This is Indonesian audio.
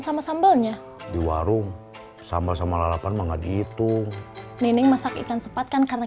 sama sambalnya di warung sama sama lapan mengadipu nenek masak ikan sepatkan karena